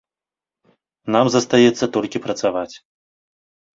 Нам застаецца толькі працаваць.